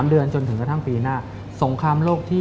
๓เดือนจนถึงกระทั่งปีหน้า